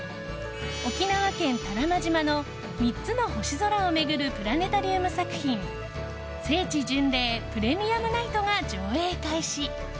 沖縄県多良間島の３つの星空を巡るプラネタリウム作品「星地巡礼‐ＰｒｅｍｉｕｍＮｉｇｈｔｓ‐」が上映開始。